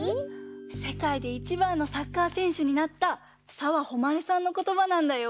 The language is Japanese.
せかいでいちばんのサッカーせんしゅになった澤穂希さんのことばなんだよ。